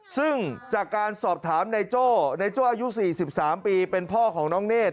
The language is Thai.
ซึ่งจากการสอบถามนายโจ้ในโจ้อายุ๔๓ปีเป็นพ่อของน้องเนธ